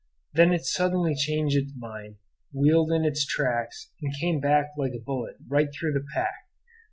Then it suddenly changed its mind, wheeled in its tracks, and came back like a bullet right through the pack.